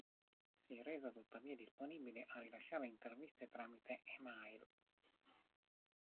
Si è resa tuttavia disponibile a rilasciare interviste tramite e-mail.